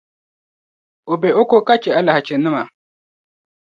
O be o ko ka chɛ alahichinima.